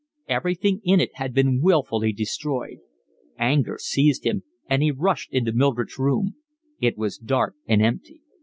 Everything in it had been wilfully destroyed. Anger seized him, and he rushed into Mildred's room. It was dark and empty.